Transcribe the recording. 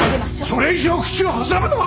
それ以上口を挟むな！